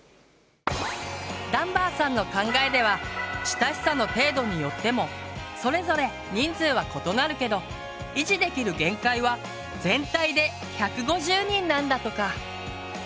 ダンバーさんの考えでは親しさの程度によってもそれぞれ人数は異なるけど維持できる限界は全体で１５０人なんだとか。